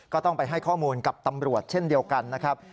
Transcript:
ก็ต้องไปให้ข้อมูลกับตำรวจเช่นเดียวกันนะครับ